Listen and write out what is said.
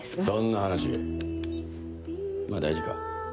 そんな話まぁ大事か。